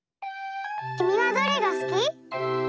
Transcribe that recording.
きみはどれがすき？